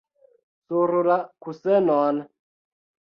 Sur la kusenon!